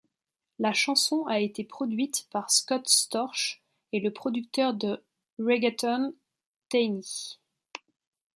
La chanson a été produite par Scott Storch et le producteur de reggaeton Tainy.